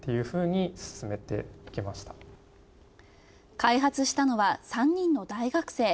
開発したのは３人の大学生。